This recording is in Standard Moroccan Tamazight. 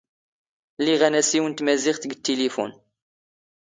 ⵍⵉⵖ ⴰⵏⴰⵙⵉⵡ ⵏ ⵜⵎⴰⵣⵉⵖⵜ ⴳ ⵜⵜⵉⵍⵉⴼⵓⵏ.